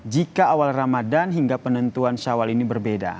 jika awal ramadan hingga penentuan syawal ini berbeda